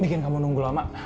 bikin kamu nunggu lama